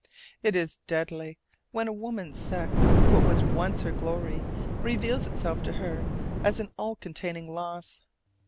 It is deadly when a woman's sex, what was once her glory, reveals itself to her as an all containing loss.